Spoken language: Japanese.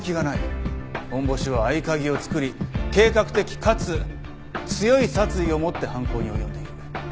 ホンボシは合鍵を作り計画的かつ強い殺意を持って犯行に及んでいる。